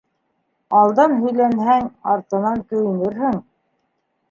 Алдан һөйләнһәң, артынан көйөнөрһөң.